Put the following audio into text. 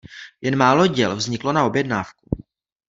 Jen málo jeho děl vzniklo na objednávku.